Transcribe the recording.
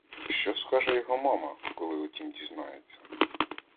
Що скаже його мама, коли о тім дізнається?